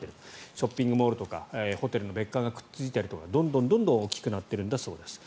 ショッピングモールとかホテルの別館がくっついているとかどんどん大きくなっているんだそうです。